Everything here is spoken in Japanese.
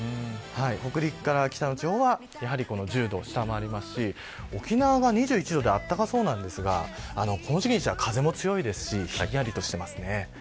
北陸から北の地方はやはり１０度を下回りますし沖縄は２１度であったかそうなんですがこの時期にしては風も強いですしひんやりとしていますね。